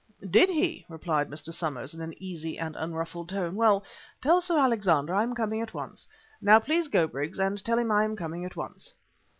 "Did he?" replied Mr. Somers in an easy and unruffled tone. "Well, tell Sir Alexander I am coming at once. Now please go, Briggs, and tell him I am coming at once."